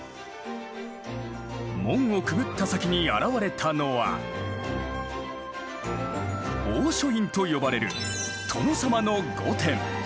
門をくぐった先に現れたのは「大書院」と呼ばれる殿様の御殿。